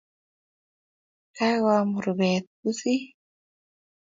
Kagoam rubeet pusit